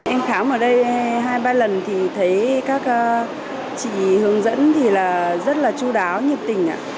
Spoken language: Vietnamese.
em khám ở đây hai ba lần thì thấy các chị hướng dẫn thì là rất là chú đáo nhiệt tình